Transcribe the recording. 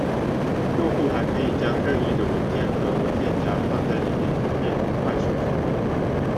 用户还可以将任意的文件和文件夹放在里面以便快速访问。